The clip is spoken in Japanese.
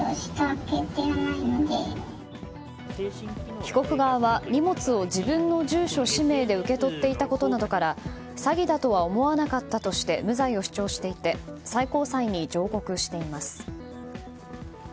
被告側は荷物を自分の住所・氏名で受け取っていたことなどから詐欺だとは思わなかったとして無罪を主張していて最高裁に上告しています。